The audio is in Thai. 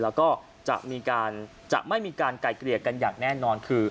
แล้วก็จะไม่มีการไกลเกรียดกันอย่างแน่นอน